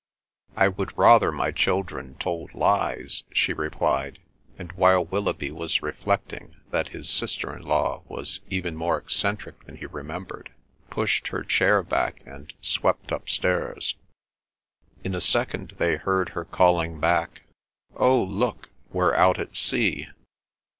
"I would rather my children told lies," she replied, and while Willoughby was reflecting that his sister in law was even more eccentric than he remembered, pushed her chair back and swept upstairs. In a second they heard her calling back, "Oh, look! We're out at sea!"